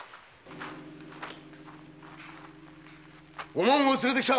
おもんを連れてきた。